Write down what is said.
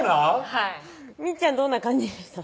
はいみっちゃんどんな感じでした？